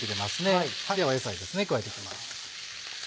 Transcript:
では野菜ですね加えて行きます。